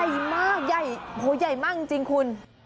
เย็นมากโอ้ยเย็นมากจริงคุณ